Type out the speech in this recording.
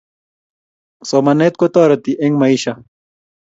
Somanet ko toretet eng maisha